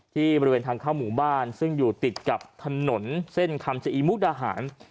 บริเวณทางเข้าหมู่บ้านซึ่งอยู่ติดกับถนนเส้นคำชะอีมุกดาหาร